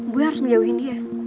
gue harus ngejauhin dia